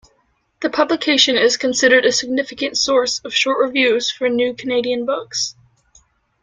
The publication is considered a significant source of short reviews for new Canadian books.